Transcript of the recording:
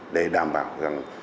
để đảm bảo rằng